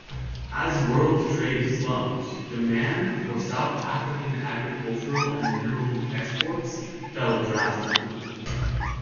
As world trade slumped, demand for South African agricultural and mineral exports fell drastically.